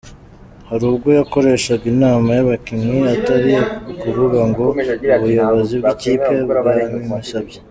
Hari ubwo yakoreshaga inama y’abakinnyi atari ukuvuga ngo ubuyobozi bw’ikipe bwabimusabye.